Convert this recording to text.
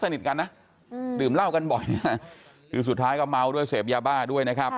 สนิทกันนะดื่มเหล้ากันบ่อยนะคือสุดท้ายก็เมาด้วยเสพยาบ้าด้วยนะครับ